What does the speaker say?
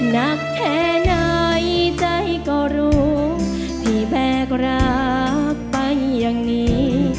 นักแค่ไหนใจก็รู้ที่แบกรักไปอย่างนี้